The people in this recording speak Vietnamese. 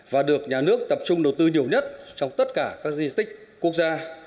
và được nhà nước tập trung đầu tư nhiều nhất trong tất cả các di tích quốc gia